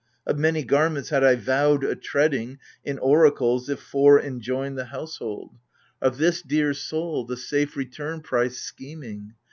Of many garments had I vowed a treading (In oracles if fore enjoined the household) AGAMEMNON. 79 Of this dear soul the safe return price scheming